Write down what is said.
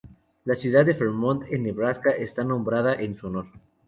La ciudad de Fremont en Nebraska está nombrada en su honor.